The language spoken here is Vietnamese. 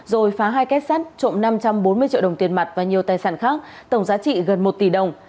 rồi phá hai kết sát trộm năm trăm bốn mươi triệu đồng tiền mặt và nhiều tài sản khác tổng giá trị gần một tỷ đồng